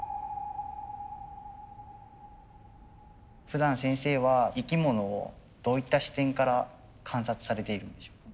ふだん先生は生き物をどういった視点から観察されているんでしょうか？